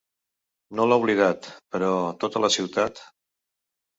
No l’ha oblidat, però, tota la ciutat.